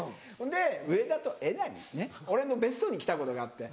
で上田とえなりがね俺の別荘に来たことがあって。